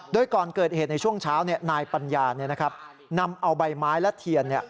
โดยก่อนเกิดเหตุในช่วงเช้านายปัญญานำเอาใบไม้และเทียน